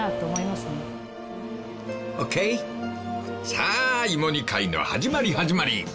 さあいも煮会の始まり始まり］